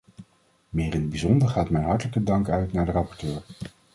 Meer in het bijzonder gaat mijn hartelijke dank uit naar de rapporteur.